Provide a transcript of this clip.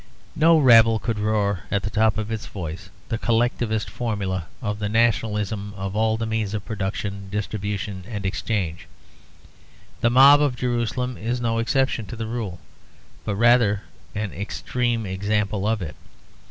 No rabble could roar at the top of its voice the collectivist formula of "The nationalisation of all the means of production, distribution, and exchange." The mob of Jerusalem is no exception to the rule, but rather an extreme example of it.